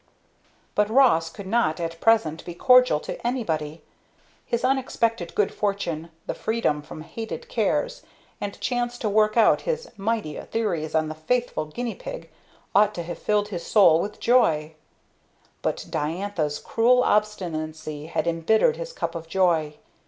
But Ross could not at present be cordial to anybody. His unexpected good fortune, the freedom from hated cares, and chance to work out his mighty theories on the faithful guinea pig, ought to have filled his soul with joy; but Diantha's cruel obstinacy had embittered his cup of joy.